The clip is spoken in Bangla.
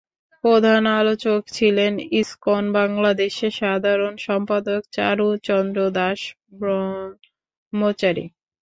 প্রধান আলোচক ছিলেন ইসকন বাংলাদেশের সাধারণ সম্পাদক চারু চন্দ্র দাস ব্রহ্মচারী।